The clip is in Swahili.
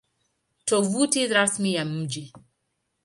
Tovuti Rasmi ya Mji